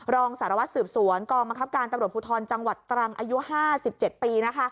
รองสารวัตรสืบสวนกองบังคับการตำรวจภูทรจังหวัดตรังอายุ๕๗ปี